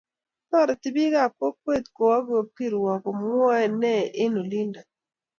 Toreti bikap kokwet kowo kapkirwok omwoe ne eng olindo?